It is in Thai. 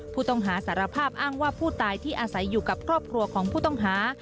ผู้ต้องหาสารภาพอ้างว่าผู้ตายที่อาศัยอยู่กับครอบครัวของผู้ต้องหา